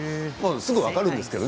すぐ分かるんですけどね